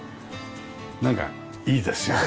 なんかいいですよね